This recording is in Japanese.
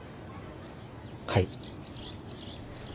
はい。